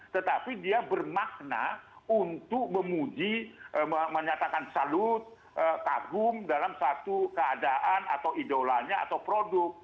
tetapi dia bermakna untuk memuji menyatakan salut kagum dalam satu keadaan atau idolanya atau produk